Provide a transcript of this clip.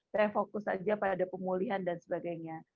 saya fokus saja pada pemulihan dan sebagainya